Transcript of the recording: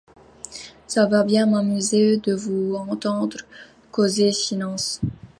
Ça va bien m’amuser de vous entendre causer finances...